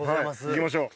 行きましょう。